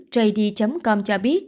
jd com cho biết